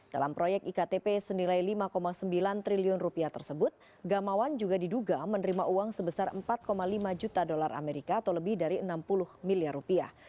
dalam proyek iktp senilai lima sembilan triliun rupiah tersebut gamawan juga diduga menerima uang sebesar empat lima juta dolar amerika atau lebih dari enam puluh miliar rupiah